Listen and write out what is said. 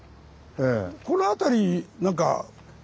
この辺りなんか。